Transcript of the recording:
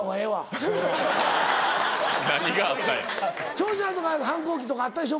長州さんとか反抗期とかあったでしょ？